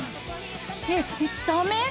えっダメ？